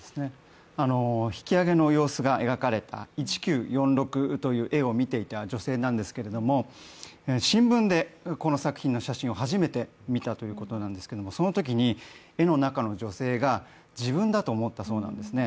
引き揚げの様子が描かれた「一九四六」という絵を見ていた女性ですが、新聞でこの作品の写真を初めて見たということなんですけれども、そのときに、絵の中の女性が自分だと思ったそうなんですね。